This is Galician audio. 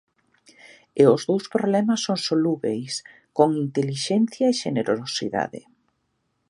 E os dous problemas son solúbeis, con intelixencia e xenerosidade.